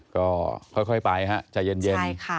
ก็ค่อยไปฮะใจเย็น